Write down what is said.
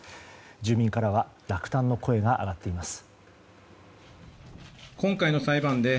住民からは落胆の声が上がっています。